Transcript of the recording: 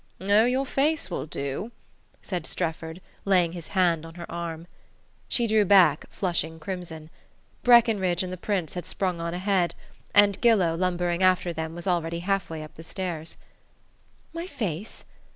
"Oh, your face will do," said Strefford, laying his hand on her arm. She drew back, flushing crimson. Breckenridge and the Prince had sprung on ahead, and Gillow, lumbering after them, was already halfway up the stairs. "My face?